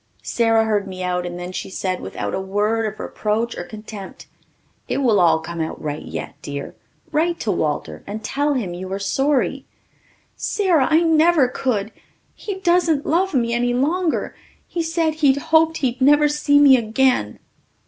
Sara heard me out and then she said, without a word of reproach or contempt, "It will all come out right yet, dear. Write to Walter and tell him you are sorry." "Sara, I never could! He doesn't love me any longer he said he hoped he'd never see me again."